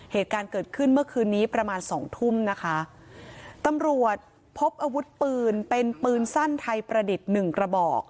เหตุการณ์เกิดขึ้นเมื่อคืนนี้ประมาณสองทุ่มนะคะตำรวจพบอาวุธปืนเป็นปืนสั้นไทยประดิษฐ์หนึ่งกระบอก